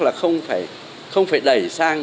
là không phải đẩy sang